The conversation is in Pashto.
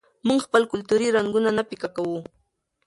موږ خپل کلتوري رنګونه نه پیکه کوو.